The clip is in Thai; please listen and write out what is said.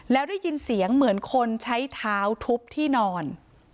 แล้วได้ยินเสียงเหมือนคนใช้เท้าทุบที่นอน